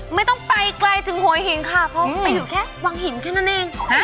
ไม่ต้องไปไกลถึงหัวหินค่ะเพราะไปอยู่แค่วังหินแค่นั้นเอง